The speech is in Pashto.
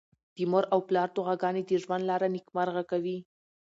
د مور او پلار دعاګانې د ژوند لاره نېکمرغه کوي.